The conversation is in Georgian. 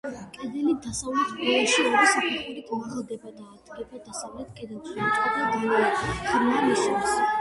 კედელი დასავლეთ ბოლოში ორი საფეხურით მაღლდება და ადგება დასავლეთ კედელში მოწყობილ განიერ, ღრმა ნიშას.